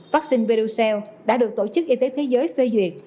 vaccine perucell đã được tổ chức y tế thế giới phê duyệt